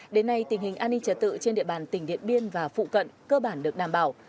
đến nay tình hình an ninh trật tự trên địa bàn tỉnh điện biên và phụ cận cơ bản được đảm bảo